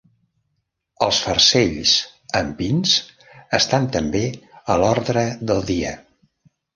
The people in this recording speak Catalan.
Els farcells amb pins estan també a l'ordre del dia.